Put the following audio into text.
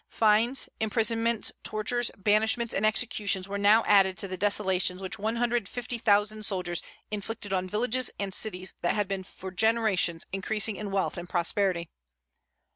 Fines, imprisonments, tortures, banishments, and executions were now added to the desolations which one hundred and fifty thousand soldiers inflicted on villages and cities that had been for generations increasing in wealth and prosperity.